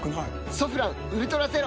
「ソフランウルトラゼロ」